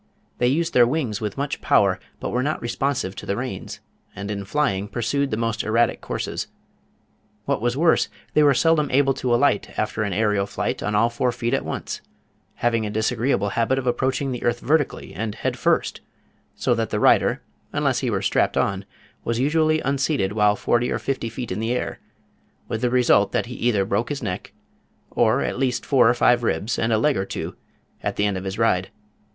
They used their wings with much power, but were not responsive to the reins, and in flying pursued the most erratic courses. What was worse, they were seldom able to alight after an aerial flight on all four feet at once, having a disagreeable habit of approaching the earth vertically, and headfirst, so that the rider, unless he were strapped on, was usually unseated while forty or fifty feet in the air, with the result that he either broke his neck, or at least four or five ribs, and a leg or two, at the end of his ride.